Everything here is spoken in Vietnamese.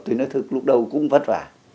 thì nói thật lúc đầu cũng vất vả